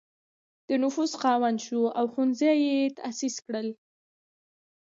د نفوذ خاوند شو او ښوونځي یې تأسیس کړل.